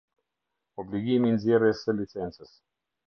Obligimi i nxjerrjes së licencës.